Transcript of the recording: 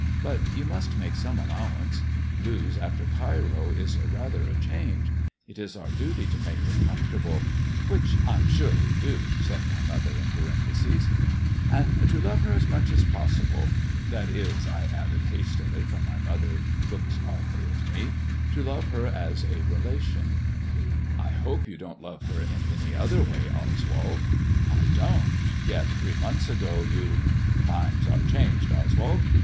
But you must make some allowance. Lewes after Cairo is rather a change. It is our duty to make her comfortable "" Which I'm sure we do," said my mother in parenthesis. and to love her as much as possible. That is," I added hastily, for my m.other looked oddly at me, " to love her as a relation." MY COUSIN FROM FRANCE 373 " I hope you don't love her in any other way, Oswald." I don't ; yet three months ago you "" Times are changed, Oswald.